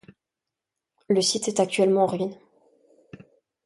Le site est actuellement en ruine.